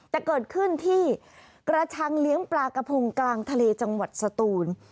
แต่เกิดขึ้นที่กระชังเลี้ยงปลากระพงกลางทะเลจังหวัดสตูน